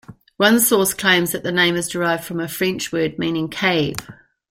One source claims that the name is derived from a French word meaning cave.